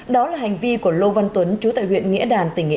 đó là hành vi của lô văn tuấn chú tại huyện nghĩa đàn tỉnh nghệ an